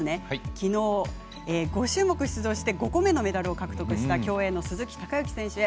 きのう、５種目出場して５個目のメダルを獲得した競泳の鈴木孝幸選手へ。